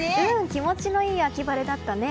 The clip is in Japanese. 気持ちのいい秋晴れだったね。